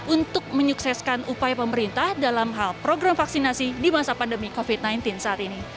untuk menyukseskan upaya pemerintah dalam hal program vaksinasi di masa pandemi covid sembilan belas saat ini